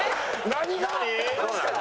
何が？